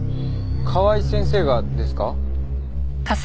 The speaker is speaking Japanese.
川井先生がですか？